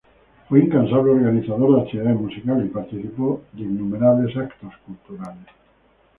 Fue incansable organizador de actividades musicales y participó de innumerables eventos culturales.